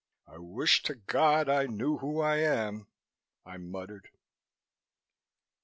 "I wish to God I knew who I am," I muttered.